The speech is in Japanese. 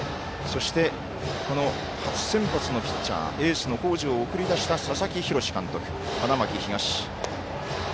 そして初先発のピッチャーエースの北條を送り出した佐々木洋監督、花巻東。